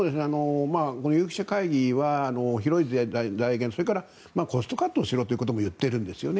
有識者会議は広い財源それからコストカットをしろということも言っているんですよね。